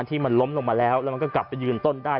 ที่มันล้มลงมาแล้วแล้วมันก็กลับไปยืนต้นได้